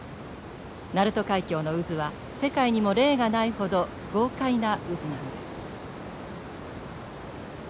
鳴門海峡の渦は世界にも例がないほど豪快な渦なのです。